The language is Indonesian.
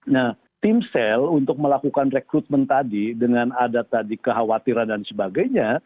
nah tim sel untuk melakukan rekrutmen tadi dengan ada tadi kekhawatiran dan sebagainya